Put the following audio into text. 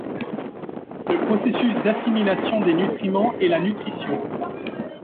Le processus d'assimilation des nutriments est la nutrition.